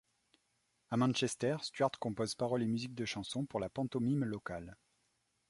A Manchester, Stuart compose paroles et musiques de chansons pour la pantomime locale.